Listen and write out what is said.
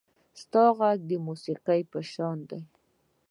• ستا غږ د موسیقۍ په شان دی.